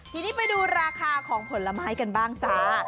ทีนี้ไปดูราคาของผลไม้กันบ้างจ้า